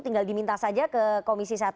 tinggal diminta saja ke komisi satu